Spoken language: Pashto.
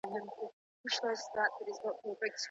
ولي لېواله انسان د لایق کس په پرتله ښه ځلېږي؟